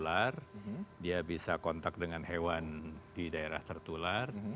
tertular dia bisa kontak dengan hewan di daerah tertular